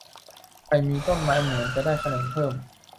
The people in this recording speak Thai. ใครมีต้นไม้เหมือนจะได้คะแนนเพิ่ม